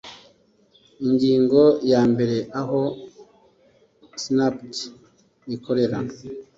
ingingo ya mbere aho snpd rikorera